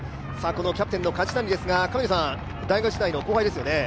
キャプテンの梶谷ですが、神野さん大学時代の後輩ですよね。